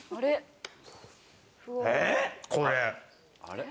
あれ？